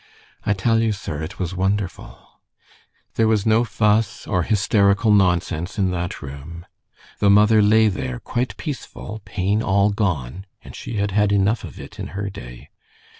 I tell you, sir, it was wonderful. "There was no fuss or hysterical nonsense in that room. The mother lay there quite peaceful, pain all gone and she had had enough of it in her day.